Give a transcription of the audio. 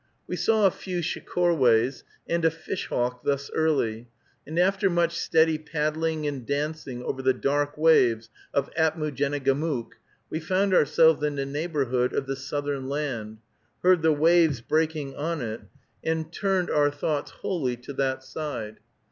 We saw a few shecorways and a fish hawk thus early, and after much steady paddling and dancing over the dark waves of Apmoojenegamook, we found ourselves in the neighborhood of the southern land, heard the waves breaking on it, and turned our thoughts wholly to that side.